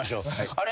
あれ？